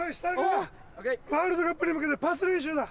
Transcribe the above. ワールドカップに向けてパス練習だ。